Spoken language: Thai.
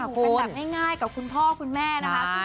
เป็นแบบง่ายกับคุณพ่อคุณแม่นะคะ